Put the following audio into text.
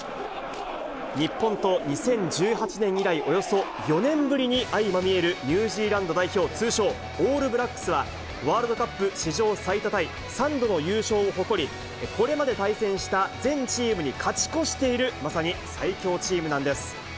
日本と２０１８年以来、およそ４年ぶりに相まみえるニュージーランド代表、通称オールブラックスは、ワールドカップ史上最多タイ３度の優勝を誇り、これまで対戦した全チームに勝ち越している、まさに最強チームなんです。